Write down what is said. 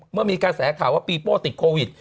เมื่อมีกระแสข่าวว่าปีโป้ติดโควิด